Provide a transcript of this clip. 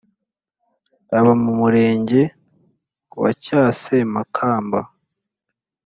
uba mu Murenge wa Cyasemakamba